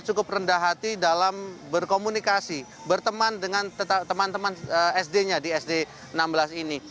cukup rendah hati dalam berkomunikasi berteman dengan teman teman sd nya di sd enam belas ini